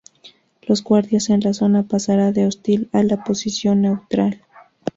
Los guardias en la zona pasará de hostil a la posición neutral.